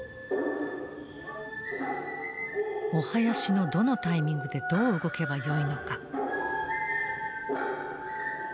お囃子のどのタイミングでどう動けばよいのか。